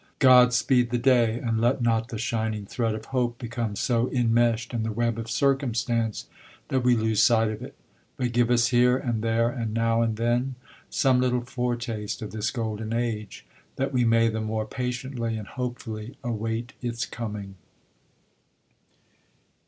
God speed the day, and let not the shining thread of hope become so enmeshed in the web of circumstance that we lose sight of it; but give us here and there, and now and then, some little foretaste of this golden age, that we may the more patiently and hopefully await its coming!